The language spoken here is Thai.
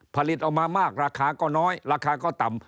ผลิตออกมามากราคาก็น้อยราคาก็ต่ำ